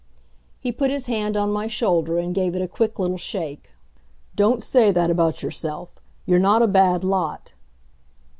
He put his hand on my shoulder and gave it a quick little shake. "Don't say that about yourself. You're not a bad lot."